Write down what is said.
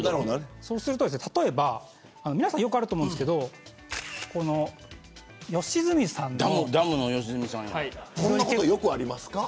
そうすると、皆さんよくあると思うんですけど良純さんの。こんなこと、よくありますか。